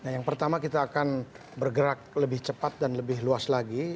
yang pertama kita akan bergerak lebih cepat dan lebih luas lagi